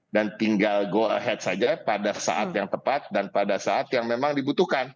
dan tinggal go ahead saja pada saat yang tepat dan pada saat yang memang dibutuhkan